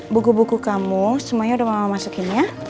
buku buku kamu semuanya udah mau masukin ya